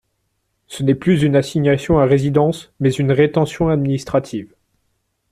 Ce n’est plus une assignation à résidence, mais une rétention administrative.